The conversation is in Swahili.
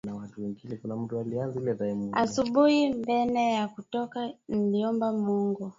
Asubui mbele ya kutoka niliomba Mungu